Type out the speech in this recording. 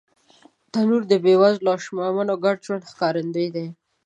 تنور د بېوزله او شتمن ګډ ژوند ښکارندوی دی